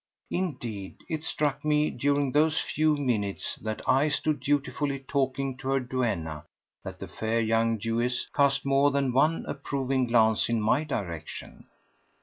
Indeed, it struck me during those few minutes that I stood dutifully talking to her duenna that the fair young Jewess cast more than one approving glance in my direction.